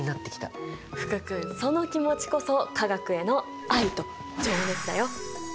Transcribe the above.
福君その気持ちこそ化学への愛と情熱だよ！